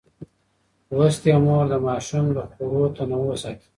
لوستې مور د ماشوم د خوړو تنوع ساتي.